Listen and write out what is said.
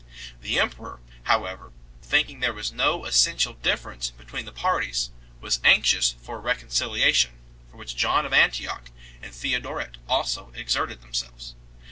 The emperor how ever, thinking there was no essential difference between the parties, was anxious for a reconciliation, for which John of Antioch and Theodoret also exerted themselves 2